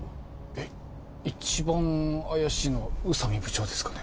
えっ一番怪しいのは宇佐美部長ですかね